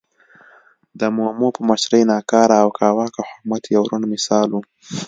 د مومو په مشرۍ ناکاره او کاواکه حکومت یو روڼ مثال و.